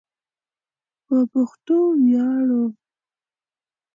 په پښتو ویاړو